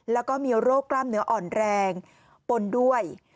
แล้วก็มีโรคกล้ามเนื้ออ่อนแรงปนด้วย